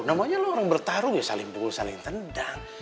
namanya loh orang bertarung ya saling pukul saling tendang